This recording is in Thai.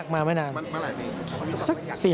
เมื่อไหร่ปี